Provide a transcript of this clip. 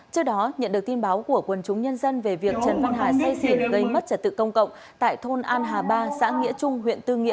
trước đó nhận được tin báo của quân chúng nhân dân về việc trần văn hà xét xển gây mất trật tự công cộng tại thôn an hà ba xã nghĩa trung huyện tư nghĩa